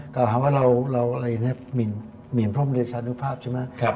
กล่าวหาว่าเราเหมียนพระมในชานุภาพใช่ไหม